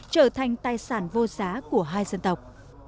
trở thành tài sản vô giá của hai dân tộc